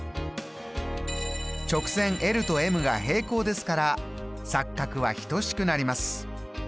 直線ｌとｍが平行ですから錯角は等しくなります。